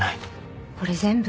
これ全部？